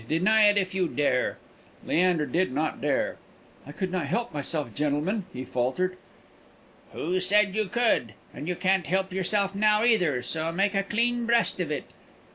Deny it if you dare." Leander did not dare. "I could not help myself, gentlemen," he faltered. "Who said you could? And you can't help yourself now, either; so make a clean breast of it.